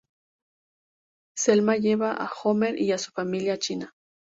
Selma lleva a Homer y a su familia a China.